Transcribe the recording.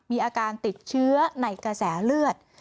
มีอาการติดเชื้อในกระแสเลือด